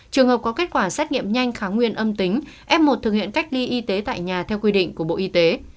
trường hợp có kết quả xét nghiệm nhanh kháng nguyên âm tính f một thực hiện cách ly y tế tại nhà theo quy định của bộ y tế